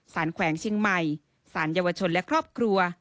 แขวงเชียงใหม่สารเยาวชนและครอบครัว